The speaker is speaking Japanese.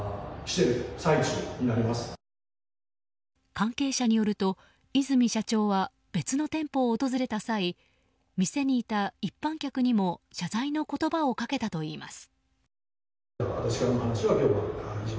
関係者によると和泉社長は別の店舗を訪れた際店にいた一般客にも謝罪の言葉をかけたといいます。